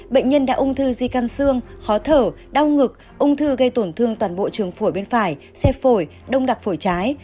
bệnh nhân đã ung thư di căn xương khó thở đau ngực ung thư gây tổn thương toàn bộ trường phổi bên phải xe phổi đông đặc phổi trái